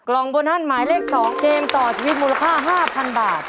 กล่องโบนัสหมายเลข๒เกมต่อชีวิตมูลค่า๕๐๐๐บาท